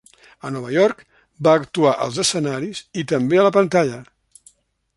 A Nova York, va actuar als escenaris i també a la pantalla.